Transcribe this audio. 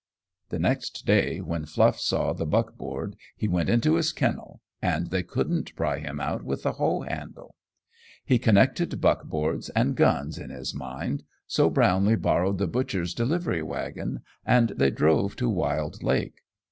The next day, when Fluff saw the buck board he went into his kennel, and they couldn't pry him out with the hoe handle. He connected buckboards and guns in his mind, so Brownlee borrowed the butcher's delivery wagon, and they drove to Wild Lake.